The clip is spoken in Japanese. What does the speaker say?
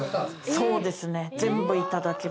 そうですね。